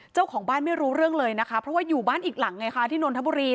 เจ้าของบ้านไม่รู้เรื่องเลยนะคะเพราะว่าอยู่บ้านอีกหลังไงคะที่นนทบุรี